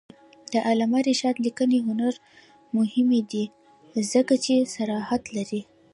د علامه رشاد لیکنی هنر مهم دی ځکه چې صراحت لري.